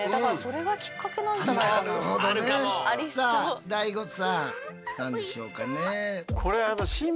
さあＤＡＩＧＯさん何でしょうかね。